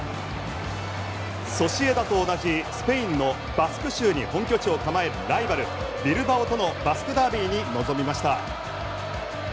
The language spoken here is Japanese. ソシエダと同じスペインのバスク州に本拠地を構えライバル、ビルバオとのバスクダービーに臨みました。